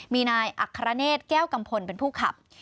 มีนายอัครเนศแก้วกัมพลเป็นผู้ขับ